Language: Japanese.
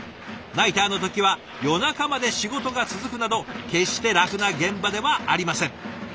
ナイターの時は夜中まで仕事が続くなど決して楽な現場ではありません。